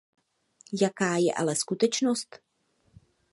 Jaká je ale skutečnost?